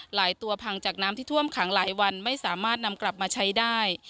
ตัวพังจากน้ำที่ท่วมขังหลายวันไม่สามารถนำกลับมาใช้ได้